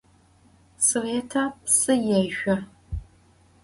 Svêta psı yêşso.